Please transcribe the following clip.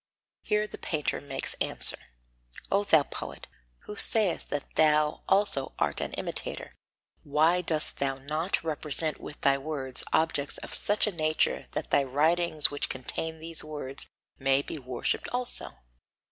Here the painter makes answer: O thou poet, who sayest that thou also art an imitator, why dost thou not represent with thy words objects of such a nature that thy writings which contain these words may be worshipped also?